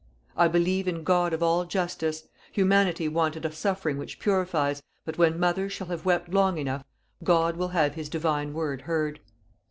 I believe in God of all Justice. Humanity wanted a suffering which purifies, but when mothers shall have wept long enough, God will have His Divine word heard.